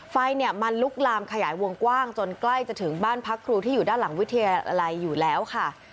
ไฟเนี่ยมันลุกลามขยายวงกว้างจนใกล้จะถึงบ้านพักครูที่อยู่ด้านหลังวิทยาลัยอยู่แล้วค่ะ